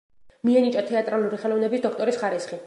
მიენიჭა თეატრალური ხელოვნების დოქტორის ხარისხი.